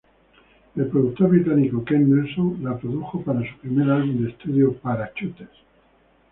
El productor británico Ken Nelson la produjo para su primer álbum de estudio, "Parachutes".